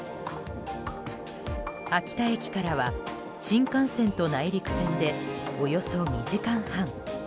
秋田駅からは新幹線と内陸線でおよそ２時間半。